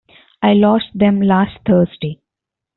I lost them last Thursday.